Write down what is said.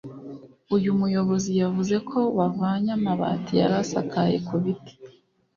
uyu Muyobozi yavuze ko bavanye amabati yari asakaye ku biti